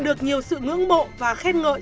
được nhiều sự ngưỡng mộ và khen ngợi